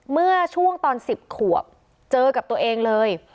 เมื่อช่วงตอน๑๐ขวบเจอกับตัวเองเลย